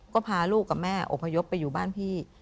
ก็พาลูกกับแม่อพยพไปอยู่บ้านพี่